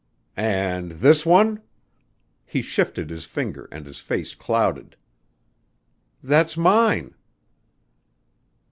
"And this one?" He shifted his finger and his face clouded. "That's mine."